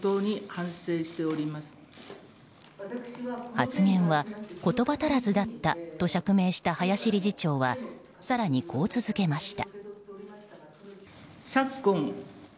発言は言葉足らずだったと釈明した林理事長は更に、こう続けました。